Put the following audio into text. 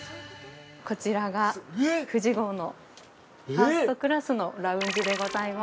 ◆こちらが、ＦＵＪＩ号のファーストクラスのラウンジでございます。